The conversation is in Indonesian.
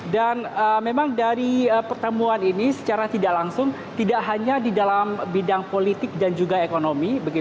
dan memang dari pertemuan ini secara tidak langsung tidak hanya di dalam bidang politik dan juga ekonomi